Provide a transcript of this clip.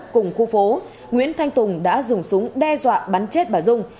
cùng khu phố nguyễn thanh tùng đã dùng súng đe dọa bắn chết bà dung